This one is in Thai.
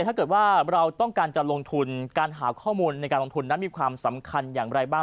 ถ้าเกิดว่าเราต้องการจะลงทุนการหาข้อมูลในการลงทุนนั้นมีความสำคัญอย่างไรบ้าง